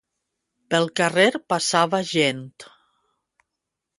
Pel carrer passava gent.